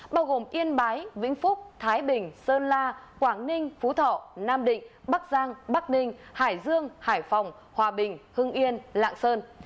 bao gồm yên bái vĩnh phúc thái bình sơn la quảng ninh phú thọ nam định bắc giang bắc ninh hải dương hải phòng hòa bình hưng yên lạng sơn